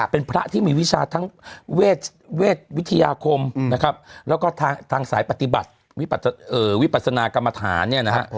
เป็นพระที่มีวิชาทั้งเวชวิทยาคมนะครับแล้วก็ทางสายปฏิบัติวิปัสนากรรมฐานเนี่ยนะฮะ